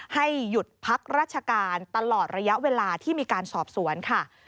ให้หยุดพักราชการตลอดระยะเวลาที่มีการสอบสวนค่ะ